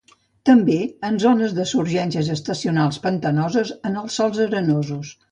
També en zones de surgències estacionals pantanoses en els sòls arenosos.